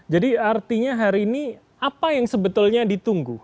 artinya hari ini apa yang sebetulnya ditunggu